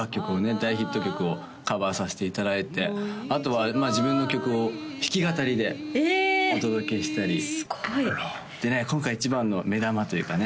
大ヒット曲をカバーさせていただいてあとは自分の曲を弾き語りでお届けしたりでね今回一番の目玉というかね